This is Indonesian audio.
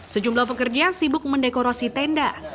sejumlah pekerja sibuk mendekorasi tenda